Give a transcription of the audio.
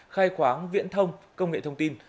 khai khoáng viễn thông công nghệ thông tin